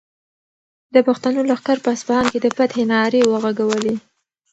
د پښتنو لښکر په اصفهان کې د فتحې نغارې وغږولې.